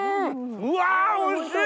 うわおいしい！